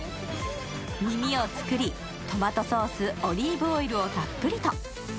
耳を作り、トマトソース、オリーブオイルをたっぷりと。